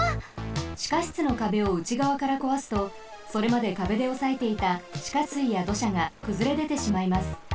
ちかしつのかべをうちがわからこわすとそれまでかべでおさえていたちかすいやどしゃがくずれでてしまいます。